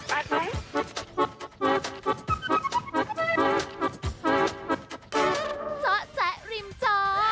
เจาะแจ๊ะริมจอ